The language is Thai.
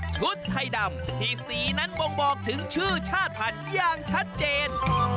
ชุดไทยดำที่สีนั้นบ่งบอกถึงชื่อชาติพันธุ์อย่างชัดเจน